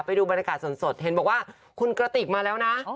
ไปดูบรรยากาศสดเห็นบอกว่าคุณกระติกมาแล้วนะ